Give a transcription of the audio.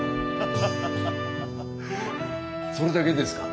それだけですか？